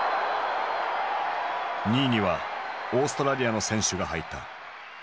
２位にはオーストラリアの選手が入った。